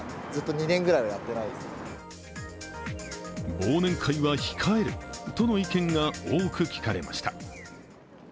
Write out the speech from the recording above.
忘年会は控えるとの意見が多く聞かれました。